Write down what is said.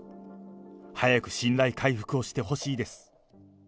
早く信頼回復をしてほしいです。